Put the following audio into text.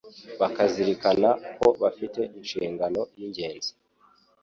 bakazirikana ko bafite inshingano y’ingenzi